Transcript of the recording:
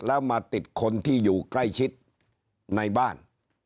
แล้วมาติดคนที่อยู่ใกล้ชิดในบ้าน